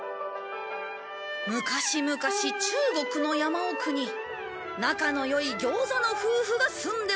昔々中国の山奥に仲のよい餃子の夫婦が住んでおりました。